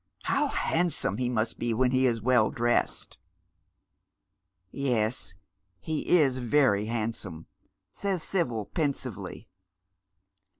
How handsome he must be when he's well dressed !"" Yes, he is very handsome," says Sibyl, pensively.